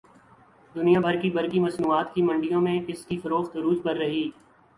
دنیا بھر کی برقی مصنوعات کی منڈیوں میں اس کی فروخت عروج پر رہی